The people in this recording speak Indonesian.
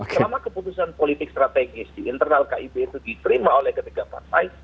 selama keputusan politik strategis di internal kib itu diterima oleh ketiga partai